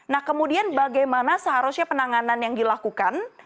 nah kemudian bagaimana seharusnya penanganan yang dilakukan